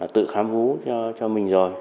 tự khám vú cho mình rồi